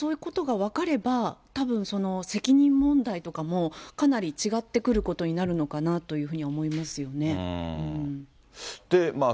そういうことが分かれば、たぶん責任問題とかもかなり違ってくることになるのかなとは思いますよね。